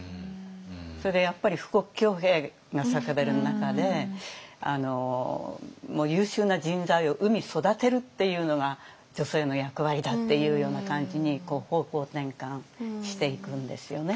それでやっぱり富国強兵が叫ばれる中で優秀な人材を産み育てるっていうのが女性の役割だっていうような感じに方向転換していくんですよね。